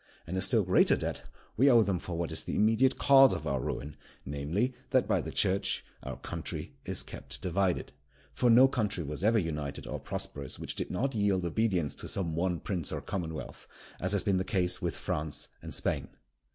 And a still greater debt we owe them for what is the immediate cause of our ruin, namely, that by the Church our country is kept divided. For no country was ever united or prosperous which did not yield obedience to some one prince or commonwealth, as has been the case with France and Spain.